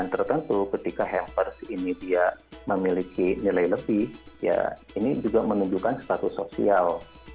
tertentu ketika hampers ini dia memiliki nilai lebih ya ini juga menunjukkan status sosial